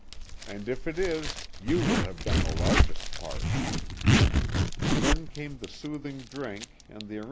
And if it is, you will have done the largest part." Then came the soothing drink and the ar "MISSMILLY."